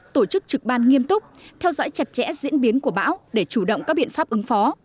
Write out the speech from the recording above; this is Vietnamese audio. tổ chức trực ban nghiêm túc theo dõi chặt chẽ diễn biến của bão để chủ động các biện pháp ứng phó